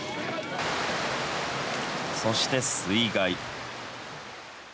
そして、水害。